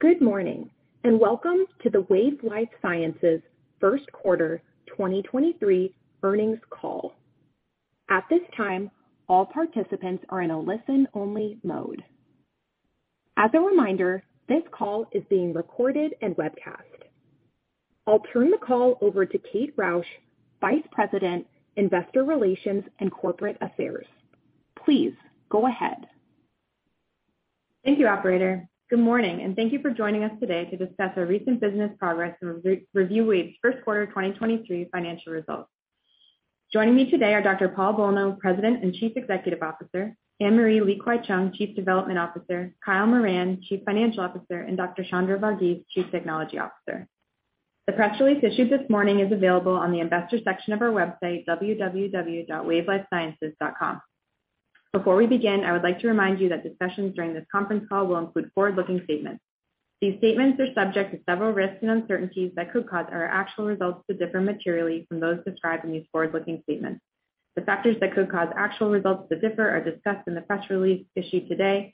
Good morning, and welcome to the Wave Life Sciences First Quarter 2023 Earnings Call. At this time, all participants are in a listen-only mode. As a reminder, this call is being recorded and webcast. I'll turn the call over to Kate Rausch, Vice President, Investor Relations and Corporate Affairs. Please go ahead. Thank you, operator. Good morning, and thank you for joining us today to discuss our recent business progress and re-review Wave's 1st quarter 2023 financial results. Joining me today are Dr. Paul Bolno, President and Chief Executive Officer, Anne-Marie Li-Kwai-Cheung, Chief Development Officer, Kyle Moran, Chief Financial Officer, and Dr. Chandra Vargeese, Chief Technology Officer. The press release issued this morning is available on the investor section of our website, www.wavelifesciences.com. Before we begin, I would like to remind you that the sessions during this conference call will include forward-looking statements. These statements are subject to several risks and uncertainties that could cause our actual results to differ materially from those described in these forward-looking statements. The factors that could cause actual results to differ are discussed in the press release issued today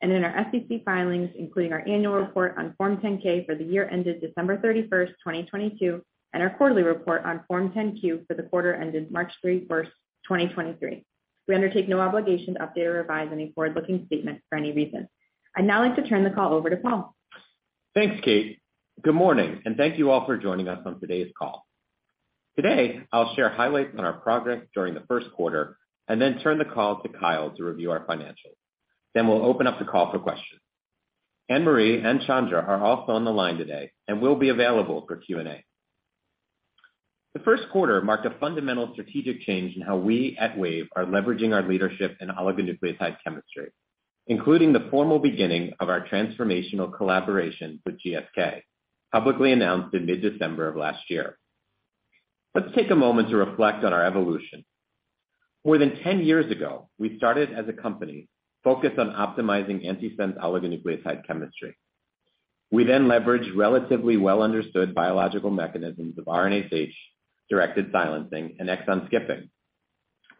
and in our SEC filings, including our annual report on Form 10-K for the year ended December 31st, 2022, and our quarterly report on Form 10-Q for the quarter ended March 31st, 2023. We undertake no obligation to update or revise any forward-looking statements for any reason. I'd now like to turn the call over to Paul. Thanks, Kate. Good morning, thank you all for joining us on today's call. Today, I'll share highlights on our progress during the first quarter and then turn the call to Kyle to review our financials. We'll open up the call for questions. Anne-Marie and Chandra are also on the line today and will be available for Q&A. The first quarter marked a fundamental strategic change in how we at Wave Life Sciences are leveraging our leadership in oligonucleotide chemistry, including the formal beginning of our transformational collaboration with GSK, publicly announced in mid-December of last year. Let's take a moment to reflect on our evolution. More than 10 years ago, we started as a company focused on optimizing antisense oligonucleotide chemistry. We leveraged relatively well-understood biological mechanisms of RNA-stage-directed silencing and exon skipping.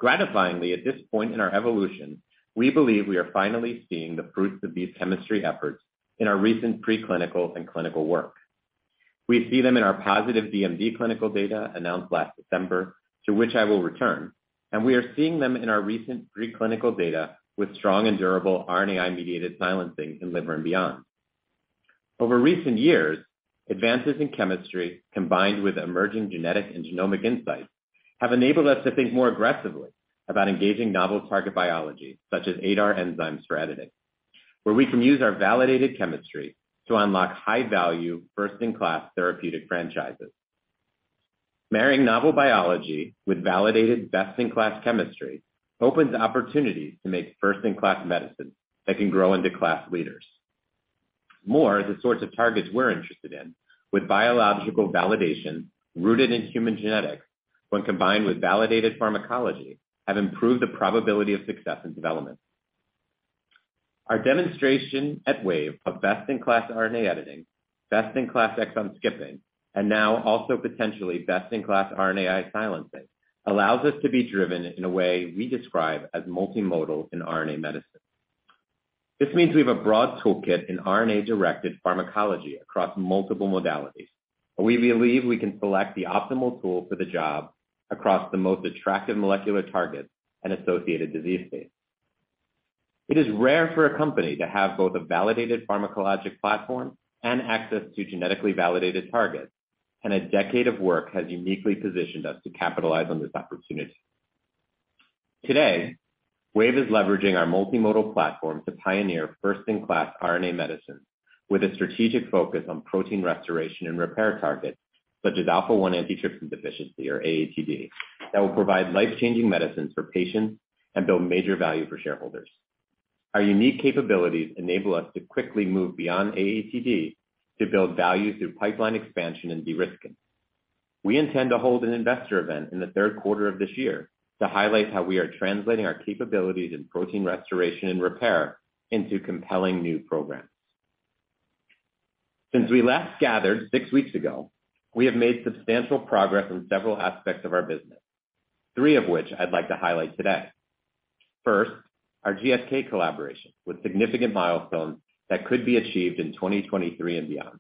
Gratifyingly, at this point in our evolution, we believe we are finally seeing the fruits of these chemistry efforts in our recent pre-clinical and clinical work. We see them in our positive DMD clinical data announced last September, to which I will return, and we are seeing them in our recent pre-clinical data with strong and durable RNA-mediated silencing in liver and beyond. Over recent years, advances in chemistry combined with emerging genetic and genomic insights have enabled us to think more aggressively about engaging novel target biology, such as ADAR enzyme straddling, where we can use our validated chemistry to unlock high-value, first-in-class therapeutic franchises. Marrying novel biology with validated best-in-class chemistry opens opportunities to make first-in-class medicine that can grow into class leaders. The sorts of targets we're interested in with biological validation rooted in human genetics when combined with validated pharmacology have improved the probability of success and development. Our demonstration at Wave of best-in-class RNA editing, best-in-class exon skipping, and now also potentially best-in-class RNAi silencing allows us to be driven in a way we describe as multimodal in RNA medicine. This means we have a broad toolkit in RNA-directed pharmacology across multiple modalities. We believe we can select the optimal tool for the job across the most attractive molecular targets and associated disease states. It is rare for a company to have both a validated pharmacologic platform and access to genetically validated targets, and 10 years of work has uniquely positioned us to capitalize on this opportunity. Today, Wave is leveraging our multimodal platform to pioneer first-in-class RNA medicine with a strategic focus on protein restoration and repair targets such as alpha-1 antitrypsin deficiency or AATD that will provide life-changing medicines for patients and build major value for shareholders. Our unique capabilities enable us to quickly move beyond AATD to build value through pipeline expansion and de-risking. We intend to hold an investor event in the third quarter of this year to highlight how we are translating our capabilities in protein restoration and repair into compelling new programs. Since we last gathered six weeks ago, we have made substantial progress in several aspects of our business, three of which I'd like to highlight today. First, our GSK collaboration with significant milestones that could be achieved in 2023 and beyond.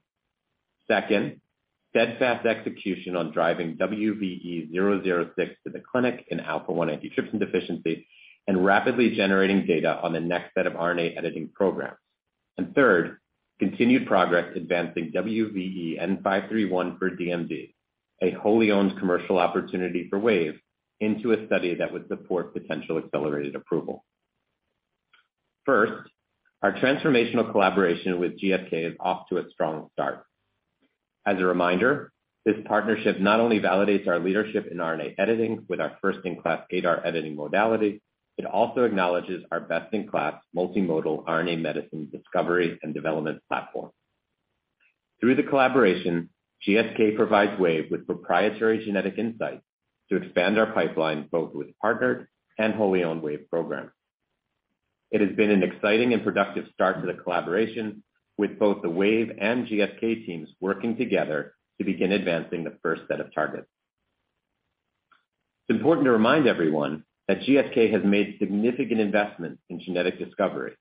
Second, steadfast execution on driving WVE-006 to the clinic in alpha-1 antitrypsin deficiency and rapidly generating data on the next set of RNA editing programs. Third, continued progress advancing WVE-N531 for DMD, a wholly-owned commercial opportunity for Wave, into a study that would support potential accelerated approval. First, our transformational collaboration with GSK is off to its strong start. As a reminder, this partnership not only validates our leadership in RNA editing with our first-in-class ADAR editing modality, it also acknowledges our best-in-class multimodal RNA medicine discovery and development platform. Through the collaboration, GSK provides Wave with proprietary genetic insights to expand our pipeline both with partnered and wholly-owned Wave programs. It has been an exciting and productive start to the collaboration with both the Wave and GSK teams working together to begin advancing the first set of targets. It's important to remind everyone that GSK has made significant investments in genetic discovery,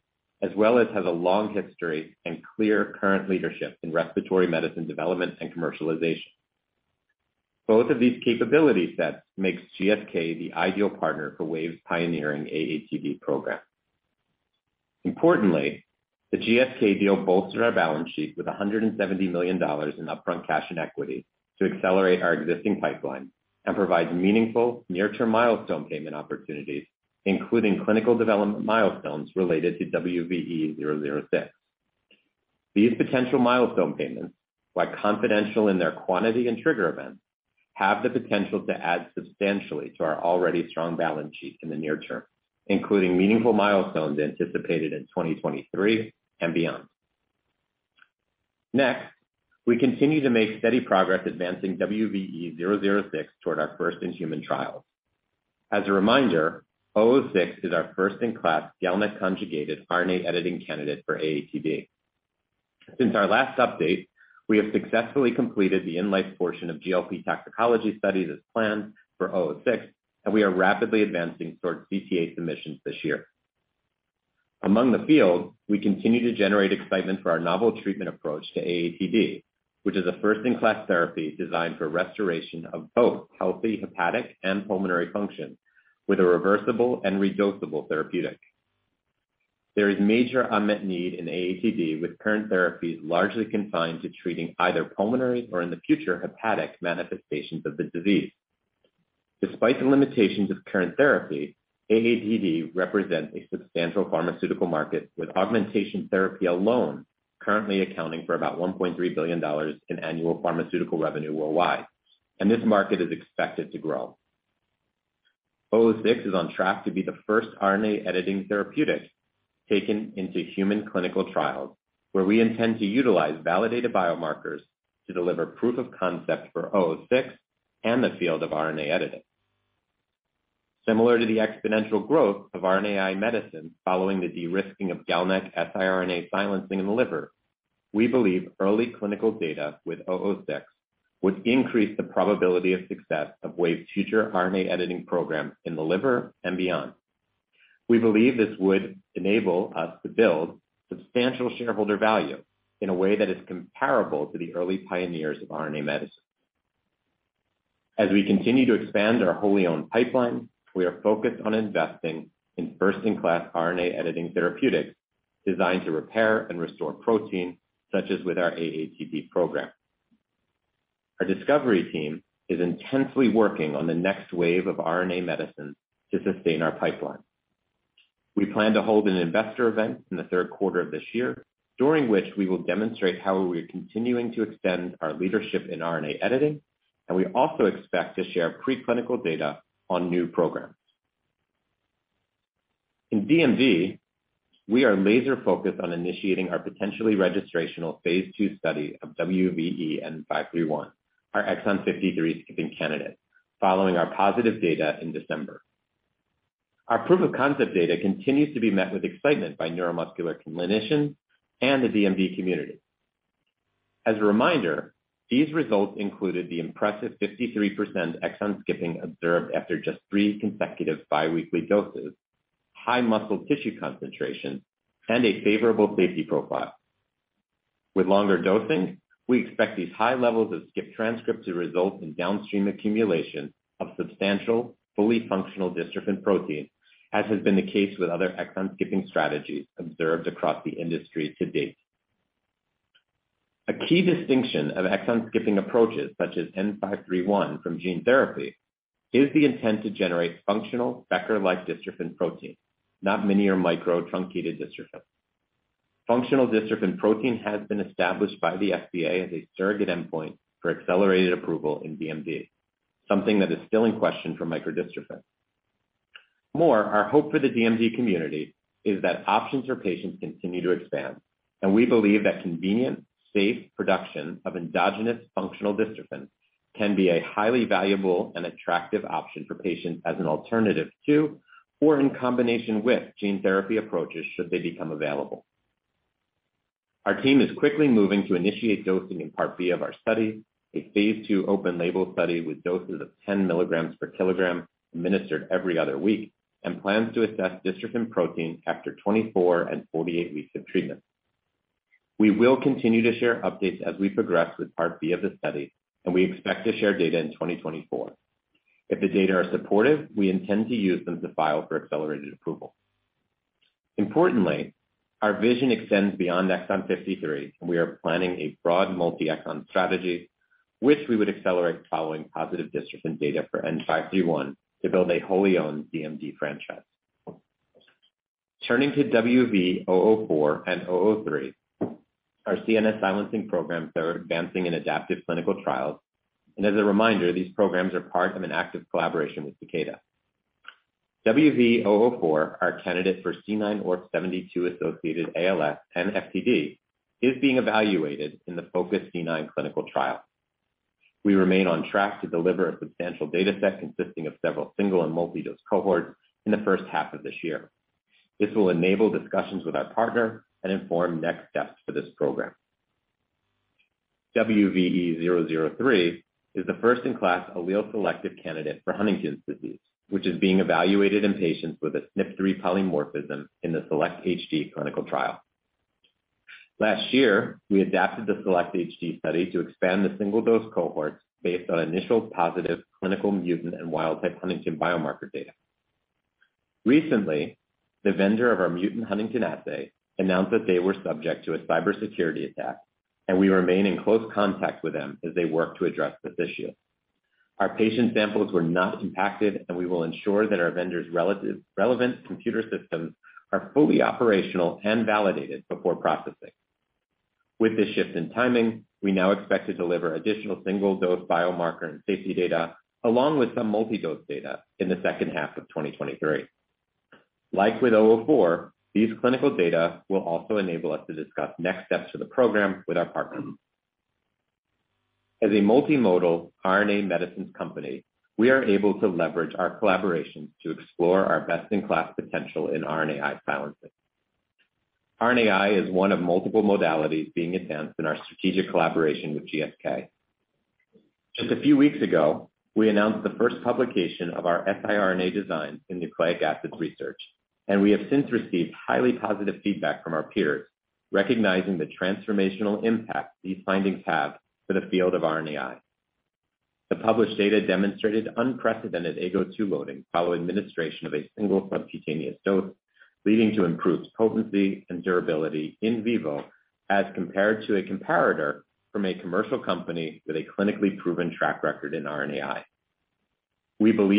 as well as has a long history and clear current leadership in respiratory medicine development and commercialization. Both of these capability sets makes GSK the ideal partner for Wave's pioneering AATD program. Importantly, the GSK deal bolstered our balance sheet with $170 million in upfront cash and equity to accelerate our existing pipeline and provide meaningful near-term milestone payment opportunities, including clinical development milestones related to WVE-006. These potential milestone payments, while confidential in their quantity and trigger events, have the potential to add substantially to our already strong balance sheet in the near term, including meaningful milestones anticipated in 2023 and beyond. We continue to make steady progress advancing WVE-006 toward our first-in-human trials. As a reminder, WVE-006 is our first-in-class GalNAc-conjugated RNA editing candidate for AATD. Since our last update, we have successfully completed the in-life portion of GLP toxicology studies as planned for WVE-006. We are rapidly advancing towards CTA submissions this year. Among the field, we continue to generate excitement for our novel treatment approach to AATD, which is a first-in-class therapy designed for restoration of both healthy hepatic and pulmonary function with a reversible and redosable therapeutic. There is major unmet need in AATD with current therapies largely confined to treating either pulmonary or, in the future, hepatic manifestations of the disease. Despite the limitations of current therapy, AATD represents a substantial pharmaceutical market, with augmentation therapy alone currently accounting for about $1.3 billion in annual pharmaceutical revenue worldwide. This market is expected to grow. WVE-006 is on track to be the first RNA editing therapeutic taken into human clinical trials, where we intend to utilize validated biomarkers to deliver proof of concept for WVE-006 and the field of RNA editing. Similar to the exponential growth of RNAi medicine following the de-risking of GalNAc-siRNA silencing in the liver, we believe early clinical data with WVE-006 would increase the probability of success of Wave's future RNA editing program in the liver and beyond. We believe this would enable us to build substantial shareholder value in a way that is comparable to the early pioneers of RNA medicine. As we continue to expand our wholly-owned pipeline, we are focused on investing in first-in-class RNA editing therapeutics designed to repair and restore protein, such as with our AATD program. Our discovery team is intensely working on the next wave of RNA medicine to sustain our pipeline. We plan to hold an investor event in the third quarter of this year, during which we will demonstrate how we are continuing to extend our leadership in RNA editing. We also expect to share preclinical data on new programs. In DMD, we are laser-focused on initiating our potentially registrational Phase II study of WVE-N531, our exon 53 skipping candidate, following our positive data in December. Our proof-of-concept data continues to be met with excitement by neuromuscular clinicians and the DMD community. As a reminder, these results included the impressive 53% exon skipping observed after just three consecutive bi-weekly doses, high muscle tissue concentration, and a favorable safety profile. With longer dosing, we expect these high levels of skip transcripts to result in downstream accumulation of substantial, fully functional dystrophin protein, as has been the case with other exon skipping strategies observed across the industry to date. A key distinction of exon skipping approaches, such as WVE-N531 from gene therapy, is the intent to generate functional Becker-like dystrophin protein, not mini or micro-truncated dystrophin. Functional dystrophin protein has been established by the FDA as a surrogate endpoint for accelerated approval in DMD, something that is still in question for micro-dystrophin. More, our hope for the DMD community is that options for patients continue to expand, and we believe that convenient, safe production of endogenous functional dystrophin can be a highly valuable and attractive option for patients as an alternative to or in combination with gene therapy approaches should they become available. Our team is quickly moving to initiate dosing in part B of our study, a Phase II open label study with doses of 10 milligrams per kilogram administered every other week and plans to assess dystrophin protein after 24 and 48 weeks of treatment. We will continue to share updates as we progress with part B of the study, and we expect to share data in 2024. If the data are supportive, we intend to use them to file for accelerated approval. Importantly, our vision extends beyond exon 53, and we are planning a broad multi-exon strategy, which we would accelerate following positive dystrophin data for WVE-N531 to build a wholly owned DMD franchise. Turning to WVE-004 and WVE-003, our CNS silencing programs are advancing in adaptive clinical trials. As a reminder, these programs are part of an active collaboration with Takeda. WVE-004, our candidate for C9orf72-associated ALS and FTD, is being evaluated in the FOCUS-C9 clinical trial. We remain on track to deliver a substantial data set consisting of several single and multi-dose cohorts in the first half of this year. This will enable discussions with our partner and inform next steps for this program. WVE-003 is the first-in-class allele selective candidate for Huntington's disease, which is being evaluated in patients with a SNP3 polymorphism in the SELECT-HD clinical trial. Last year, we adapted the SELECT-HD study to expand the single-dose cohorts based on initial positive clinical mutant and wild type Huntington biomarker data. Recently, the vendor of our mutant Huntington assay announced that they were subject to a cybersecurity attack. We remain in close contact with them as they work to address this issue. Our patient samples were not impacted. We will ensure that our vendor's relevant computer systems are fully operational and validated before processing. With this shift in timing, we now expect to deliver additional single-dose biomarker and safety data, along with some multi-dose data in the second half of 2023. Like with 004, these clinical data will also enable us to discuss next steps for the program with our partners. As a multimodal RNA medicines company, we are able to leverage our collaborations to explore our best-in-class potential in RNAi silencing. RNAi is one of multiple modalities being advanced in our strategic collaboration with GSK. Just a few weeks ago, we announced the first publication of our siRNAs design in Nucleic Acids Research. We have since received highly positive feedback from our peers, recognizing the transformational impact these findings have for the field of RNAi. The published data demonstrated unprecedented Ago2 loading following administration of a single subcutaneous dose, leading to improved potency and durability in vivo as compared to a comparator from a commercial company with a clinically proven track record in RNAi. Further,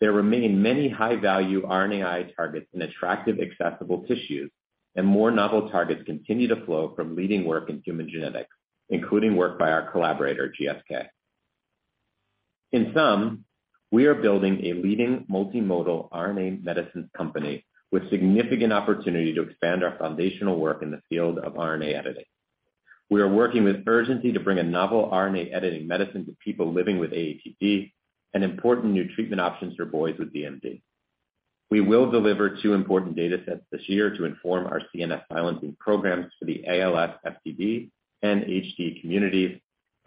there remain many high-value RNAi targets in attractive accessible tissues. More novel targets continue to flow from leading work in human genetics, including work by our collaborator, GSK. In sum, we are building a leading multimodal RNA medicines company with significant opportunity to expand our foundational work in the field of RNA editing. We are working with urgency to bring a novel RNA editing medicine to people living with AATD and important new treatment options for boys with DMD. We will deliver 2 important data sets this year to inform our CNS silencing programs for the ALS, FTD, and HD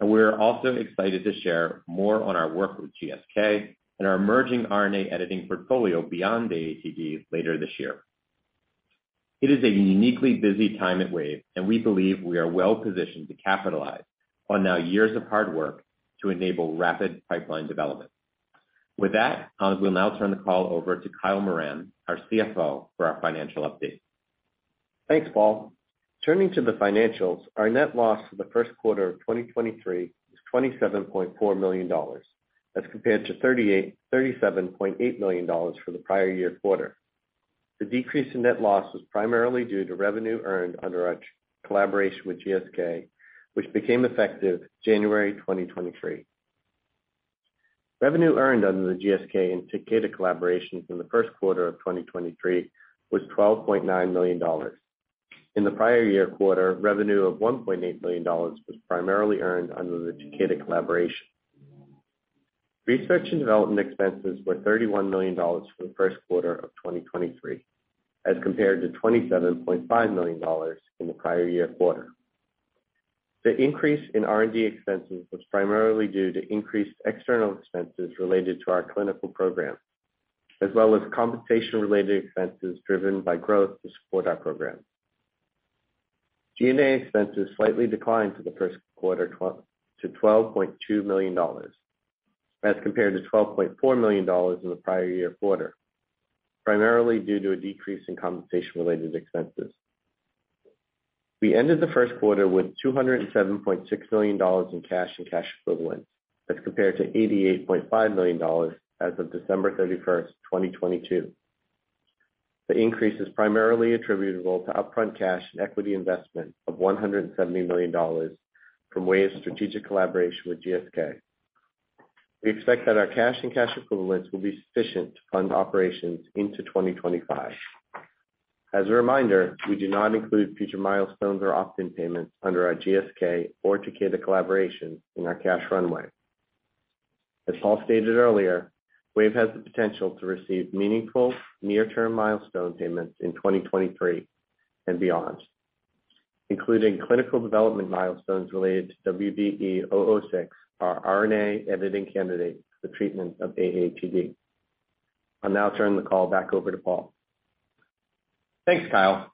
communities. We're also excited to share more on our work with GSK and our emerging RNA editing portfolio beyond AATD later this year. It is a uniquely busy time at Wave, and we believe we are well-positioned to capitalize on now years of hard work to enable rapid pipeline development. With that, I will now turn the call over to Kyle Moran, our CFO, for our financial update. Thanks, Paul. Turning to the financials, our net loss for the first quarter of 2023 is $27.4 million, as compared to $37.8 million for the prior year quarter. The decrease in net loss was primarily due to revenue earned under our collaboration with GSK, which became effective January 2023. Revenue earned under the GSK and Takeda collaborations in the first quarter of 2023 was $12.9 million. In the prior year quarter, revenue of $1.8 million was primarily earned under the Takeda collaboration. Research and development expenses were $31 million for the first quarter of 2023, as compared to $27.5 million in the prior year quarter. The increase in R&D expenses was primarily due to increased external expenses related to our clinical program, as well as compensation-related expenses driven by growth to support our program. G&A expenses slightly declined for the first quarter to $12.2 million, as compared to $12.4 million in the prior year quarter, primarily due to a decrease in compensation-related expenses. We ended the first quarter with $207.6 million in cash and cash equivalents as compared to $88.5 million as of December 31, 2022. The increase is primarily attributable to upfront cash and equity investment of $170 million from Wave's strategic collaboration with GSK. We expect that our cash and cash equivalents will be sufficient to fund operations into 2025. As a reminder, we do not include future milestones or opt-in payments under our GSK or Takeda collaboration in our cash runway. As Paul stated earlier, Wave has the potential to receive meaningful near-term milestone payments in 2023 and beyond, including clinical development milestones related to WVE-006, our RNA editing candidate for treatment of AATD. I'll now turn the call back over to Paul. Thanks, Kyle.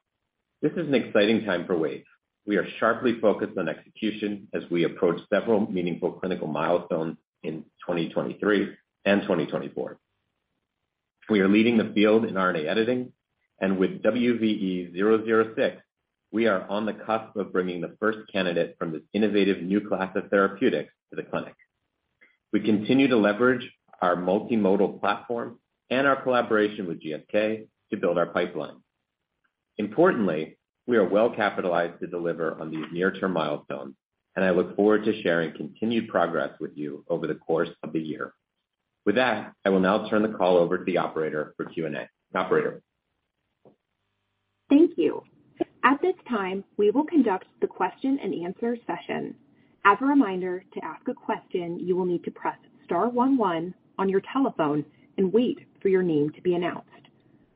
This is an exciting time for Wave. We are sharply focused on execution as we approach several meaningful clinical milestones in 2023 and 2024. We are leading the field in RNA editing, and with WVE-006, we are on the cusp of bringing the first candidate from this innovative new class of therapeutics to the clinic. We continue to leverage our multimodal platform and our collaboration with GSK to build our pipeline. Importantly, we are well capitalized to deliver on these near-term milestones, and I look forward to sharing continued progress with you over the course of the year. With that, I will now turn the call over to the operator for Q&A. Operator? Thank you. At this time, we will conduct the question-and-answer session. As a reminder, to ask a question, you will need to press star one one on your telephone and wait for your name to be announced.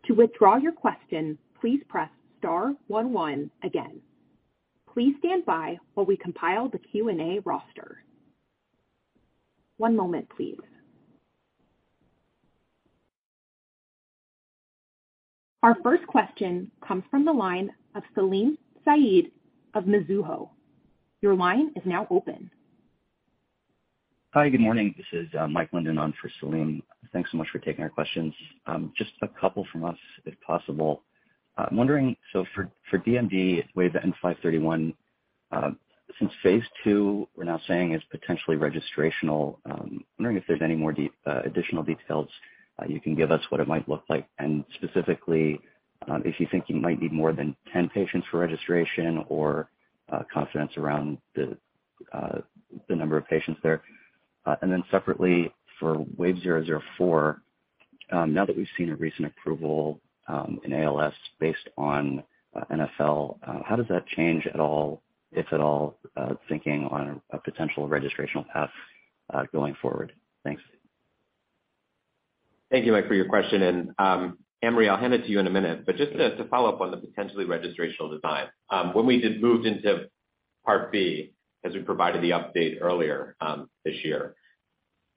To withdraw your question, please press star one one again. Please stand by while we compile the Q&A roster. One moment, please. Our first question comes from the line of Salim Syed of Mizuho. Your line is now open. Hi. Good morning. This is Mike Linden on for Salim. Thanks so much for taking our questions. Just a couple from us if possible. I'm wondering for DMD WVE-N531, since Phase II we're now saying is potentially registrational, wondering if there's any more additional details you can give us what it might look like and specifically, if you think you might need more than 10 patients for registration or confidence around the number of patients there. Separately for WVE-004, now that we've seen a recent approval in ALS based on NfL, how does that change at all, if at all, thinking on a potential registrational path going forward? Thanks. Thank you, Mike, for your question. Anne-Marie, I'll hand it to you in a minute, but just to follow up on the potentially registrational design. When we did moved into part B, as we provided the update earlier this year,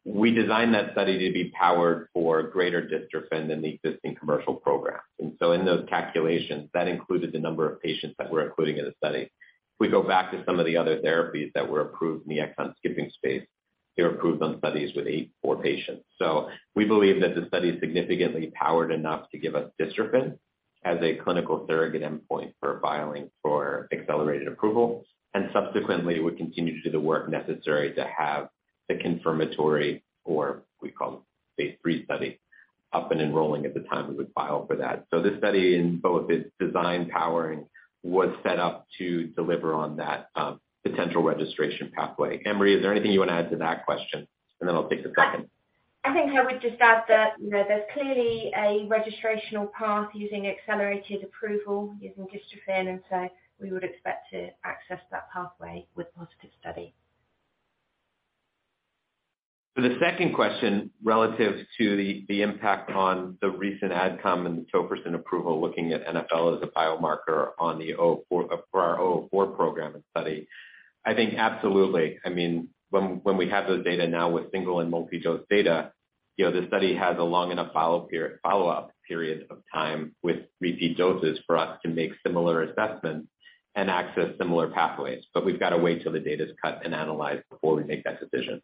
we designed that study to be powered for greater dystrophin than the existing commercial program. In those calculations, that included the number of patients that we're including in the study. If we go back to some of the other therapies that were approved in the exon skipping space, they were approved on studies with 8 or 4 patients. We believe that the study is significantly powered enough to give us dystrophin as a clinical surrogate endpoint for filing for accelerated approval. Subsequently, we continue to do the work necessary to have the confirmatory, or we call them Phase III study, up and enrolling at the time we would file for that. This study in both its design powering was set up to deliver on that potential registration pathway. Anne-Marie, is there anything you want to add to that question? Then I'll take the second. I think I would just add that, you know, there's clearly a registrational path using accelerated approval using dystrophin, and so we would expect to access that pathway with positive study. For the second question, relative to the impact on the recent outcome and the tofersen approval looking at NfL as a biomarker on the WVE-004 program and study, I think absolutely. I mean, when we have those data now with single and multi-dose data, you know, the study has a long enough follow-up period of time with repeat doses for us to make similar assessments and access similar pathways. We've got to wait till the data's cut and analyzed before we make that decision.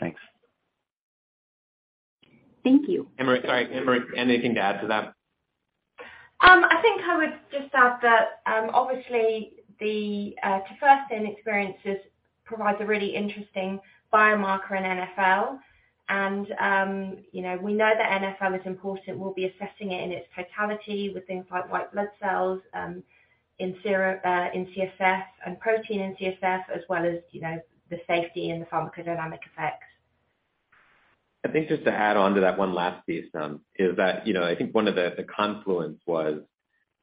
Thanks. Thank you. Anne-Marie, sorry. Anne-Marie, anything to add to that? I think I would just add that, obviously the tofersen experiences provides a really interesting biomarker in NfL. You know, we know that NfL is important. We'll be assessing it in its totality with things like white blood cells, in CSF and protein in CSF, as well as, you know, the safety and the pharmacodynamic effects. I think just to add on to that one last piece, is that, you know, I think one of the confluence was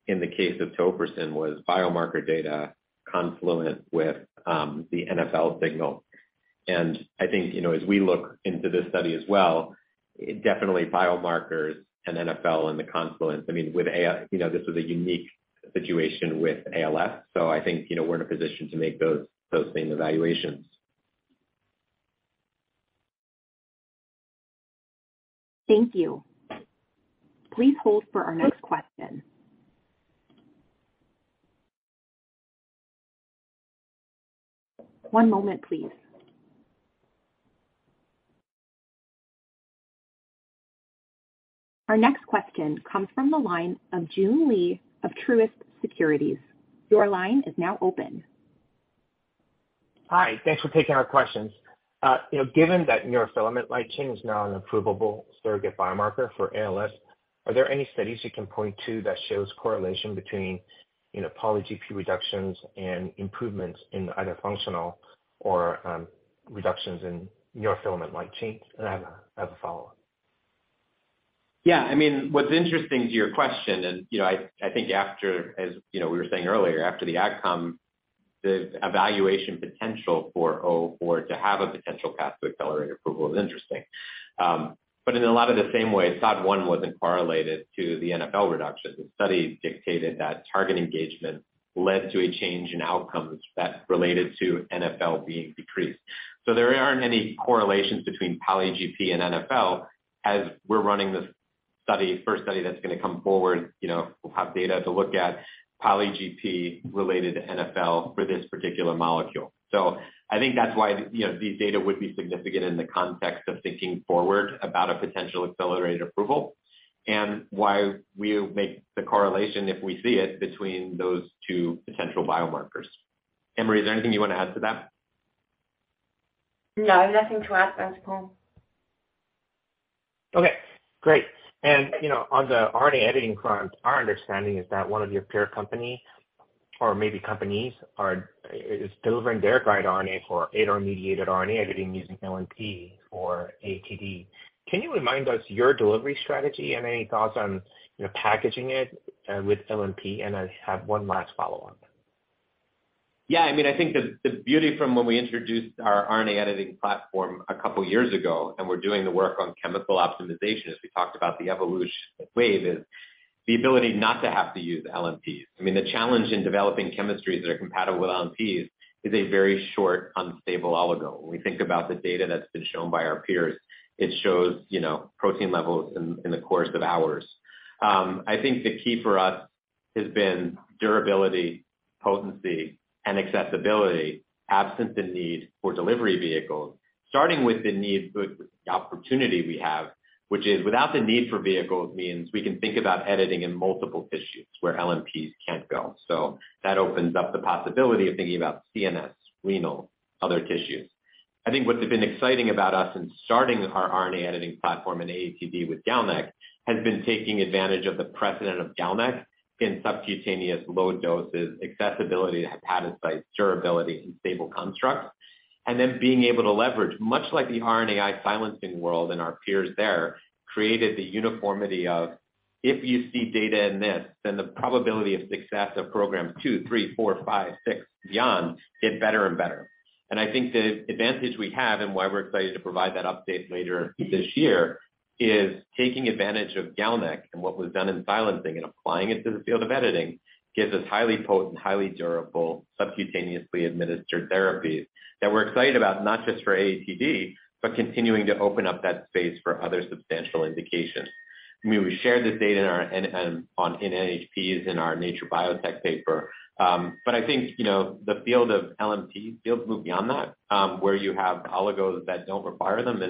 in the case of tofersen was biomarker data confluent with the NfL signal. I think, you know, as we look into this study as well, definitely biomarkers and NfL and the confluence. I mean, with AI, you know, this is a unique situation with ALS, I think, you know, we're in a position to make those same evaluations. Thank you. Please hold for our next question. One moment, please. Our next question comes from the line of Joon Lee of Truist Securities. Your line is now open. Hi. Thanks for taking our questions. you know, given that neurofilament light chain is now an approvable surrogate biomarker for ALS, are there any studies you can point to that shows correlation between, you know, polyGP reductions and improvements in either functional or, reductions in neurofilament light chains? I have a, I have a follow-up. I mean, what's interesting to your question, you know, I think after as, you know, we were saying earlier, after the outcome, the evaluation potential for WVE-004 to have a potential path to accelerated approval is interesting. In a lot of the same way, SOD1 wasn't correlated to the NfL reduction. The study dictated that target engagement led to a change in outcomes that related to NfL being decreased. There aren't any correlations between polyGP and NfL as we're running this study, first study that's gonna come forward. You know, we'll have data to look at polyGP related to NfL for this particular molecule. I think that's why, you know, these data would be significant in the context of thinking forward about a potential accelerated approval and why we make the correlation if we see it between those two potential biomarkers. Anne-Marie, is there anything you wanna add to that? No, nothing to add to that, Paul. Okay, great. you know, on the RNA editing front, our understanding is that one of your peer company or maybe companies is delivering their guide RNA for ADAR-mediated RNA editing using LNP for AATD. Can you remind us your delivery strategy and any thoughts on, you know, packaging it with LNP? I have one last follow-on. I mean, I think the beauty from when we introduced our RNA editing platform 2 years ago, and we're doing the work on chemical optimization as we talked about the evolution of Wave, is the ability not to have to use LNPs. I mean, the challenge in developing chemistries that are compatible with LNPs is a very short, unstable oligo. When we think about the data that's been shown by our peers, it shows, you know, protein levels in the course of hours. I think the key for us has been durability, potency, and accessibility absent the need for delivery vehicles, starting with the opportunity we have, which is without the need for vehicles means we can think about editing in multiple tissues where LNPs can't go. That opens up the possibility of thinking about CNS, renal, other tissues. I think what has been exciting about us in starting our RNA editing platform in AATD with GalNAc has been taking advantage of the precedent of GalNAc in subcutaneous low doses, accessibility to hepatocyte durability and stable constructs. Being able to leverage much like the RNAi silencing world and our peers there created the uniformity of, if you see data in this, then the probability of success of programs two, three, four, five, six beyond get better and better. I think the advantage we have and why we're excited to provide that update later this year is taking advantage of GalNAc and what was done in silencing and applying it to the field of editing gives us highly potent, highly durable, subcutaneously administered therapies that we're excited about, not just for AATD, but continuing to open up that space for other substantial indications. I mean, we shared this data on NHPs in our Nature Biotechnology paper. I think, you know, the field of LNP is built to move beyond that, where you have oligos that don't require them.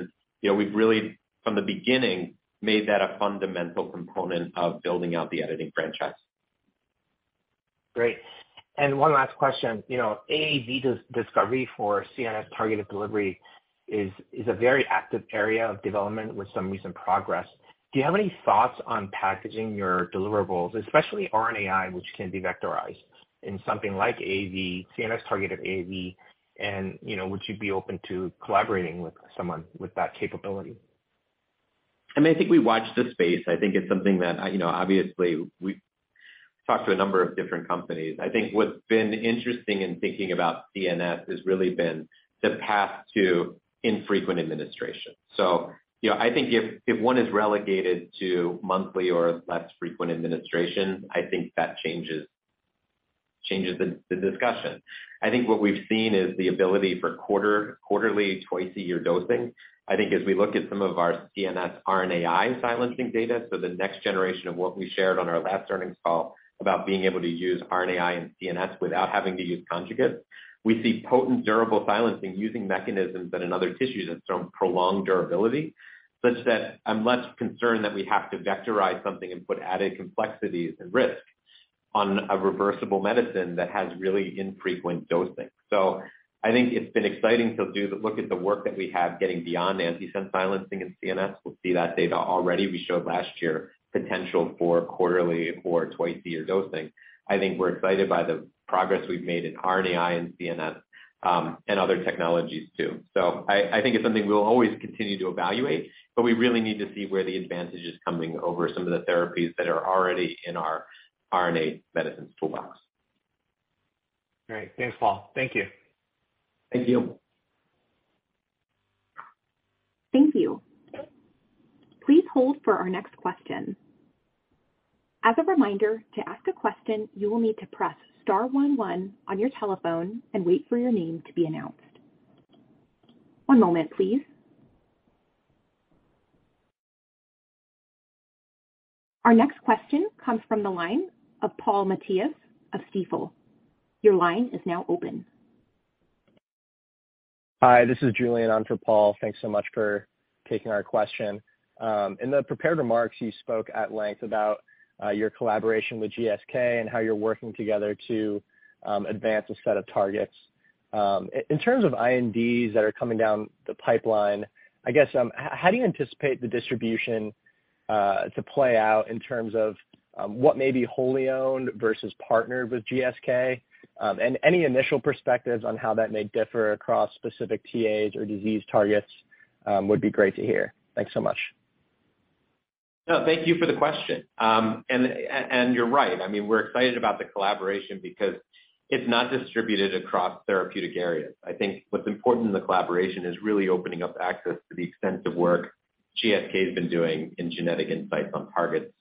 You know, we've really, from the beginning, made that a fundamental component of building out the editing franchise. Great. One last question. You know, AAV discovery for CNS-targeted delivery is a very active area of development with some recent progress. Do you have any thoughts on packaging your deliverables, especially RNAi, which can be vectorized in something like AAV, CNS-targeted AAV, and, you know, would you be open to collaborating with someone with that capability? I mean, I think we watch the space. I think it's something that I, you know, obviously we've talked to a number of different companies. I think what's been interesting in thinking about CNS has really been the path to infrequent administration. You know, I think if one is relegated to monthly or less frequent administration, I think that changes the discussion. I think what we've seen is the ability for quarterly twice-a-year dosing. I think as we look at some of our CNS RNAi silencing data, the next generation of what we shared on our last earnings call about being able to use RNAi and CNS without having to use conjugates, we see potent, durable silencing using mechanisms that in other tissues have shown prolonged durability, such that I'm less concerned that we have to vectorize something and put added complexities and risk on a reversible medicine that has really infrequent dosing. I think it's been exciting to do the look at the work that we have getting beyond antisense silencing in CNS. We'll see that data already we showed last year, potential for quarterly or twice-a-year dosing. I think we're excited by the progress we've made in RNAi and CNS, and other technologies too. I think it's something we'll always continue to evaluate, but we really need to see where the advantage is coming over some of the therapies that are already in our RNA medicines toolbox. Great. Thanks, Paul. Thank you. Thank you. Thank you. Please hold for our next question. As a reminder, to ask a question, you will need to press star 11 on your telephone and wait for your name to be announced. One moment, please. Our next question comes from the line of Paul Matteis of Stifel. Your line is now open. Hi, this is Julian on for Paul. Thanks so much for taking our question. In the prepared remarks, you spoke at length about your collaboration with GSK and how you're working together to advance a set of targets. In terms of INDs that are coming down the pipeline, I guess, how do you anticipate the distribution to play out in terms of what may be wholly owned versus partnered with GSK? Any initial perspectives on how that may differ across specific TAs or disease targets, would be great to hear. Thanks so much. No, thank you for the question. You're right. I mean, we're excited about the collaboration because it's not distributed across therapeutic areas. I think what's important in the collaboration is really opening up access to the extensive work GSK has been doing in genetic insights on targets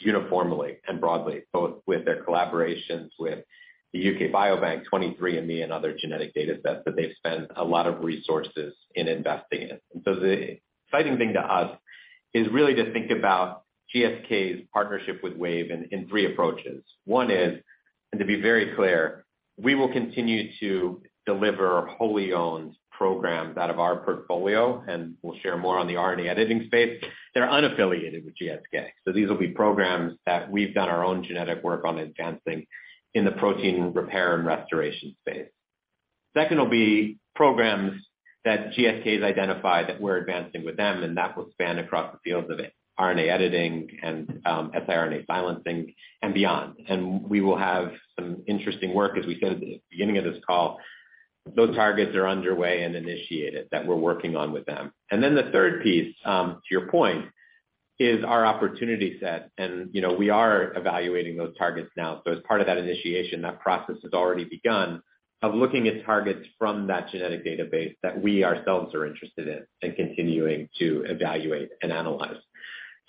uniformly and broadly, both with their collaborations with the UK Biobank, 23andMe, and other genetic data sets that they've spent a lot of resources in investing in. The exciting thing to us is really to think about GSK's partnership with Wave in three approaches. One is, and to be very clear, we will continue to deliver wholly owned programs out of our portfolio, and we'll share more on the RNA editing space that are unaffiliated with GSK. These will be programs that we've done our own genetic work on advancing in the protein repair and restoration space. Second will be programs that GSK has identified that we're advancing with them, and that will span across the fields of RNA editing and siRNA silencing and beyond. We will have some interesting work, as we said at the beginning of this call. Those targets are underway and initiated that we're working on with them. Then the third piece, to your point is our opportunity set, and, you know, we are evaluating those targets now. As part of that initiation, that process has already begun of looking at targets from that genetic database that we ourselves are interested in and continuing to evaluate and analyze.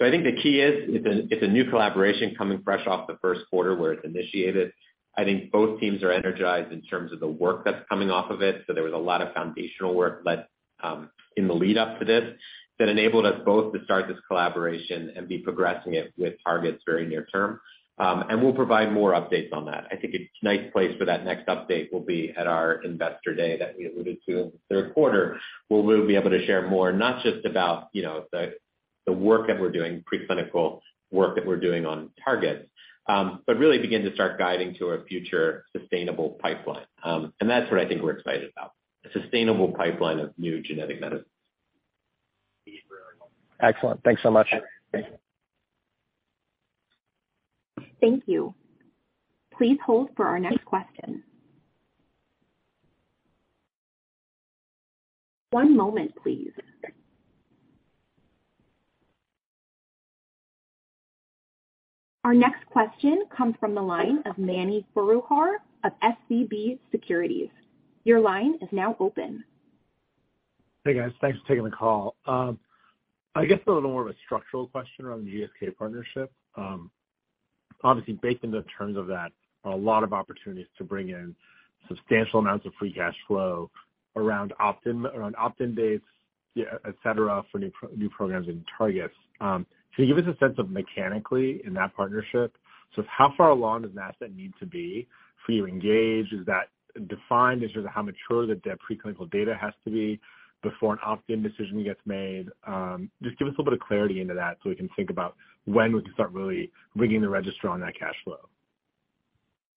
I think the key is it's a new collaboration coming fresh off the first quarter where it's initiated. I think both teams are energized in terms of the work that's coming off of it. There was a lot of foundational work led in the lead-up to this that enabled us both to start this collaboration and be progressing it with targets very near term. We'll provide more updates on that. I think a nice place for that next update will be at our investor day that we alluded to in the third quarter, where we'll be able to share more, not just about, you know, the work that we're doing, preclinical work that we're doing on targets, but really begin to start guiding to a future sustainable pipeline. That's what I think we're excited about, a sustainable pipeline of new genetic medicines. Excellent. Thanks so much. Yeah. Thank you. Thank you. Please hold for our next question. One moment, please. Our next question comes `from the line of Mani Foroohar of SVB Securities. Your line is now open. Hey, guys. Thanks for taking the call. I guess a little more of a structural question around the GSK partnership. Obviously baked into the terms of that are a lot of opportunities to bring in substantial amounts of free cash flow around opt-in dates, yeah, et cetera, for new programs and targets. Can you give us a sense of mechanically in that partnership, sort of how far along does an asset need to be for you to engage? Is that defined in terms of how mature the preclinical data has to be before an opt-in decision gets made? Just give us a little bit of clarity into that so we can think about when we can start really ringing the register on that cash flow.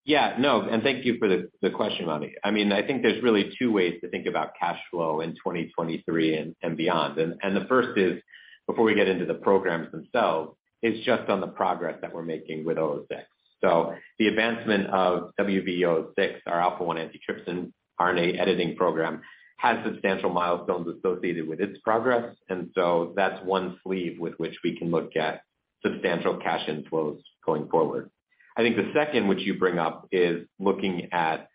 Yeah, no, thank you for the question, Mani. I mean, I think there's really 2 ways to think about cash flow in 2023 and beyond. The first is, before we get into the programs themselves, is just on the progress that we're making with WVE-006. The advancement of WVE-006, our alpha-1 antitrypsin RNA editing program, has substantial milestones associated with its progress. That's one sleeve with which we can look at substantial cash inflows going forward. I think the second, which you bring up, is looking at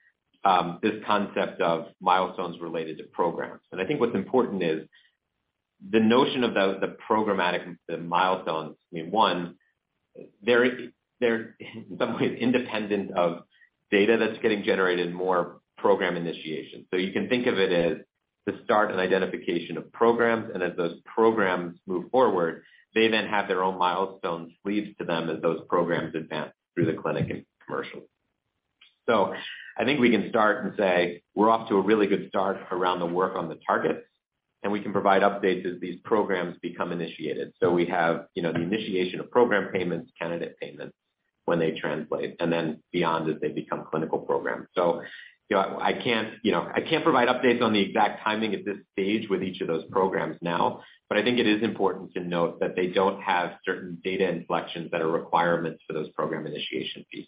this concept of milestones related to programs. I think what's important is the notion of the programmatic milestones. I mean, one, they're in some way independent of data that's getting generated, more program initiation. You can think of it as the start and identification of programs, and as those programs move forward, they then have their own milestone sleeves to them as those programs advance through the clinic and commercial. I think we can start and say we're off to a really good start around the work on the targets, and we can provide updates as these programs become initiated. We have, you know, the initiation of program payments, candidate payments when they translate, and then beyond as they become clinical programs. You know, I can't, you know, I can't provide updates on the exact timing at this stage with each of those programs now, but I think it is important to note that they don't have certain data inflections that are requirements for those program initiation fees.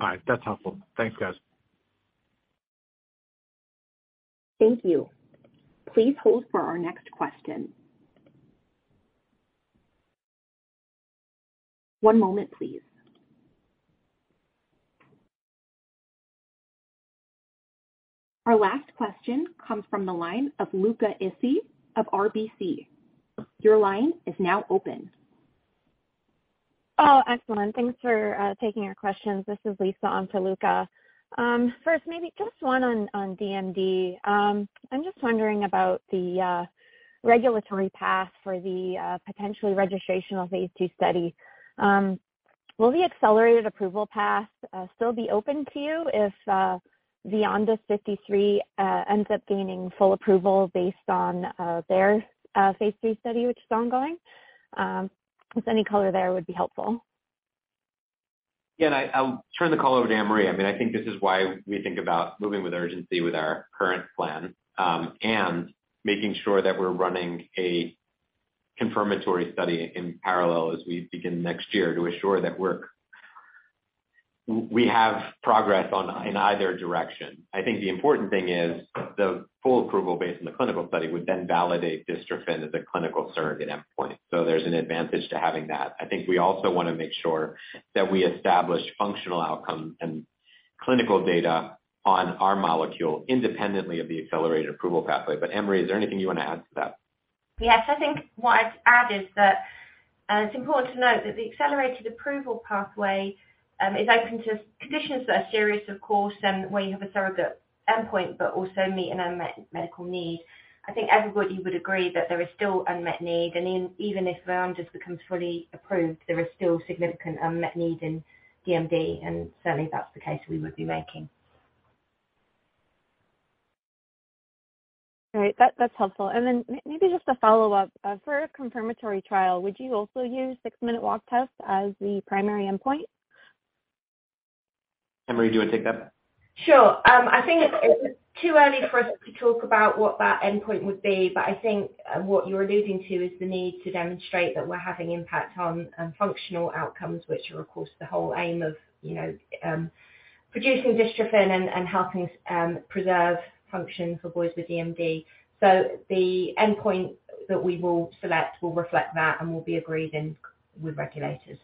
All right. That's helpful. Thanks, guys. Thank you. Please hold for our next question. One moment, please. Our last question comes from the line of Luca Issi of RBC. Your line is now open. Oh, excellent. Thanks for taking our questions. This is Lisa on for Luca. First, maybe just one on DMD. I'm just wondering about the regulatory path for the potential registrational Phase II study. Will the accelerated approval path still be open to you if VYONDYS 53 ends up gaining full approval based on their Phase III study, which is ongoing? Just any color there would be helpful. Yeah. I'll turn the call over to Anne-Marie. I mean, I think this is why we think about moving with urgency with our current plan, and making sure that we have progress on, in either direction. I think the important thing is the full approval based on the clinical study would then validate dystrophin as a clinical surrogate endpoint. There's an advantage to having that. I think we also want to make sure that we establish functional outcome and clinical data on our molecule independently of the accelerated approval pathway. Anne-Marie, is there anything you want to add to that? Yes. I think what I'd add is that it's important to note that the accelerated approval pathway is open to conditions that are serious, of course, and where you have a surrogate endpoint but also meet an unmet medical need. I think everybody would agree that there is still unmet need. Even if VYONDYS becomes fully approved, there is still significant unmet need in DMD, and certainly that's the case we would be making. Right. That's helpful. Then maybe just a follow-up. For a confirmatory trial, would you also use 6-minute walk test as the primary endpoint? Ann-Marie, do you wanna take that? Sure. I think it's too early for us to talk about what that endpoint would be, but I think what you're alluding to is the need to demonstrate that we're having impact on functional outcomes, which are, of course, the whole aim of producing dystrophin and helping us preserve function for boys with DMD. The endpoint that we will select will reflect that and will be agreed in with regulators.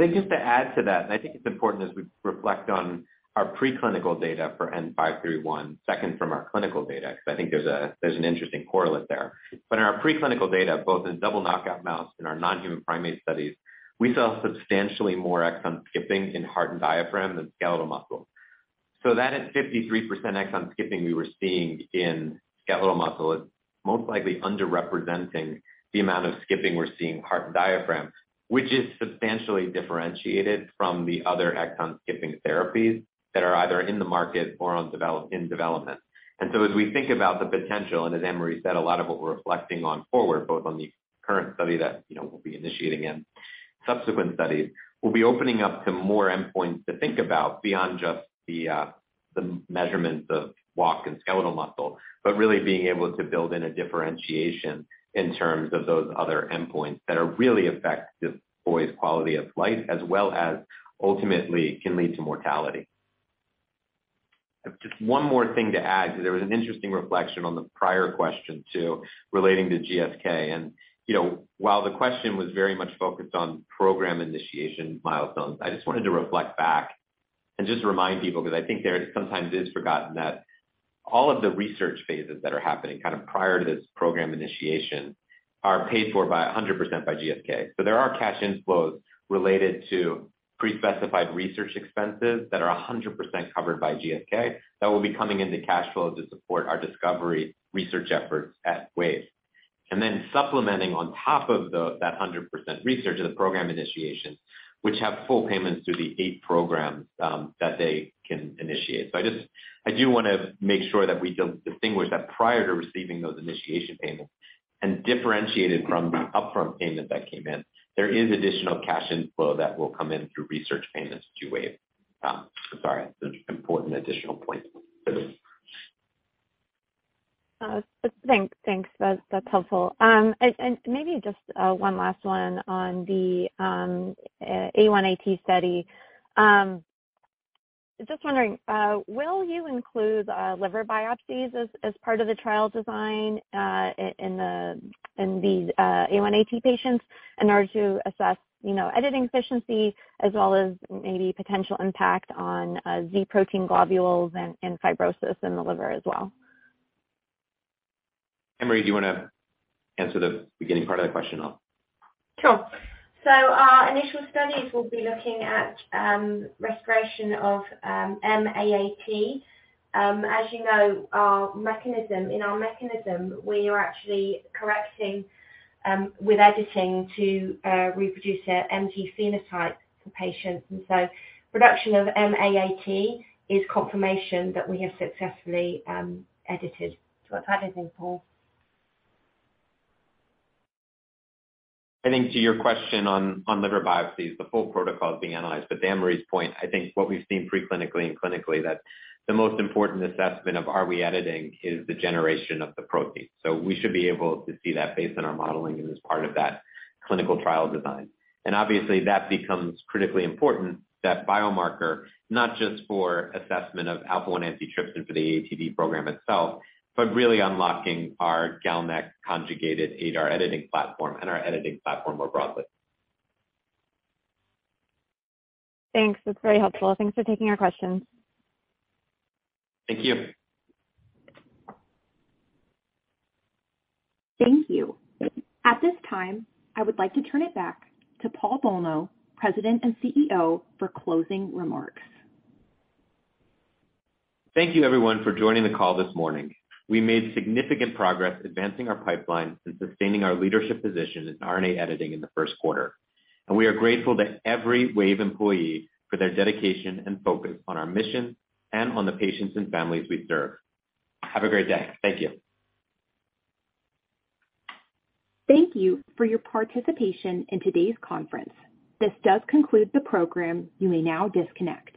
I think just to add to that, and I think it's important as we reflect on our preclinical data for WVE-N531, second from our clinical data, because I think there's a, there's an interesting correlate there. In our preclinical data, both in double knockout mouse and our non-human primate studies, we saw substantially more exon skipping in heart and diaphragm than skeletal muscle. That is 53% exon skipping we were seeing in skeletal muscle is most likely underrepresenting the amount of skipping we're seeing in heart and diaphragm, which is substantially differentiated from the other exon skipping therapies that are either in the market or in development. As we think about the potential, and as Ann-Marie said, a lot of what we're reflecting on forward, both on the current study that, you know, we'll be initiating in subsequent studies, we'll be opening up to more endpoints to think about beyond just the measurements of walk and skeletal muscle. Really being able to build in a differentiation in terms of those other endpoints that are really affect just boys' quality of life as well as ultimately can lead to mortality. One more thing to add, 'cause there was an interesting reflection on the prior question too, relating to GSK. You know, while the question was very much focused on program initiation milestones, I just wanted to reflect back and just remind people, 'cause I think there sometimes is forgotten, that all of the research phases that are happening kind of prior to this program initiation are paid for by 100% by GSK. There are cash inflows related to pre-specified research expenses that are 100% covered by GSK that will be coming into cash flows to support our discovery research efforts at Wave. Then supplementing on top of that 100% research is the program initiation, which have full payments through the eight programs that they can initiate. I do wanna make sure that we distinguish that prior to receiving those initiation payments and differentiated from the upfront payment that came in, there is additional cash inflow that will come in through research payments to Wave. Sorry, it's an important additional point for this. Thanks, thanks. That's helpful. Maybe just one last one on the AATD study. Just wondering, will you include liver biopsies as part of the trial design in the AATD patients in order to assess, you know, editing efficiency as well as maybe potential impact on Z-AAT globules and fibrosis in the liver as well? Anne-Marie, do you wanna answer the beginning part of that question? Sure. Our initial studies will be looking at restoration of M-AAT. As you know, our mechanism, in our mechanism, we are actually correcting with editing to reproduce a MZ phenotype for patients. Production of M-AAT is confirmation that we have successfully edited. If I didn't answer, Paul. I think to your question on liver biopsies, the full protocol is being analyzed. To Anne-Marie's point, I think what we've seen preclinically and clinically, that the most important assessment of are we editing is the generation of the protein. We should be able to see that based on our modeling and as part of that clinical trial design. Obviously, that becomes critically important, that biomarker, not just for assessment of alpha-1 antitrypsin for the AATD program itself, but really unlocking our GalNAc-conjugated ADAR editing platform and our editing platform more broadly. Thanks. That's very helpful. Thanks for taking our questions. Thank you. Thank you. At this time, I would like to turn it back to Paul Bolno, President and CEO, for closing remarks. Thank you everyone for joining the call this morning. We made significant progress advancing our pipeline and sustaining our leadership position in RNA editing in the first quarter. We are grateful to every Wave employee for their dedication and focus on our mission and on the patients and families we serve. Have a great day. Thank you. Thank you for your participation in today's conference. This does conclude the program. You may now disconnect.